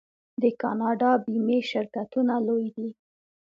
د کاناډا بیمې شرکتونه لوی دي.